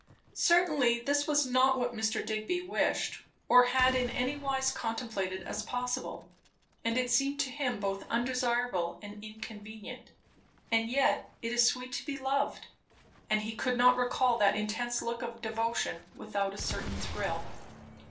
Certainly this was not what Mr. Digby wished, or had in any wise contemplated as possible, and it seemed to him both undesirable and inconvenient; and yet, it is sweet to be loved; and he could not recall that intense look of devotion without a certain thrill.